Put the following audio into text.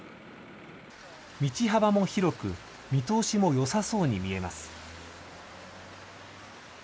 道幅も広く、見通しもよさそうに見えます。